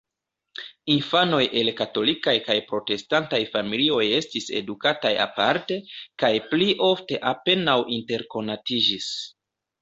Infanoj el katolikaj kaj protestantaj familioj estis edukataj aparte, kaj pli ofte apenaŭ interkonatiĝis.